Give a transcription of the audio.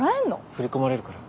振り込まれるから。